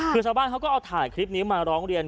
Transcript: คือชาวบ้านเขาก็เอาถ่ายคลิปนี้มาร้องเรียน